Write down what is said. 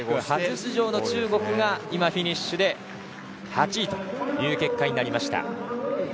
初出場の中国がフィニッシュで８位という結果になりました。